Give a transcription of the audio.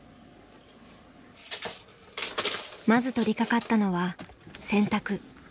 まず取りかかったのは洗濯。